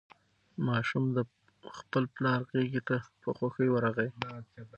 ماشوم د خپل پلار غېږې ته په خوښۍ ورغی.